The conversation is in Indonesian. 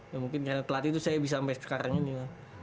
ya mungkin karena pelatih itu saya bisa sampai sekarang ini